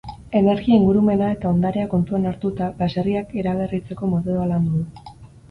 Energia, ingurumena eta ondarea kontuan hartuta, baserriak eraberritzeko metodoa landu du.